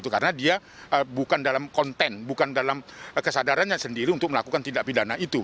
karena dia bukan dalam konten bukan dalam kesadarannya sendiri untuk melakukan tindak pidana itu